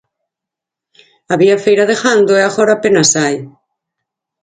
Había feira de gando, que agora apenas hai.